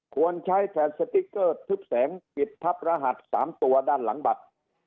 ควรใช้แผ่นสติ๊กเกอร์ทึบแสงปิดทับรหัส๓ตัวด้านหลังบัตร